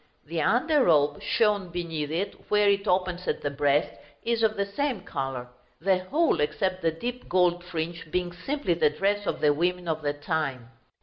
The under robe, shown beneath it where it opens at the breast, is of the same color; the whole, except the deep gold fringe, being simply the dress of the women of the time.